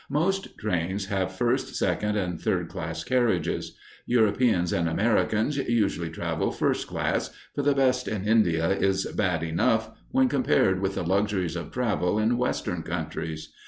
Most trains have first , second , and third class carriages. Europeans and Americans usually travel first class, for the best in India is bad enough when compared with the luxuries of travel in Western countries.